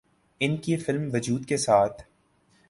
ان کی فلم ’وجود‘ کے ساتھ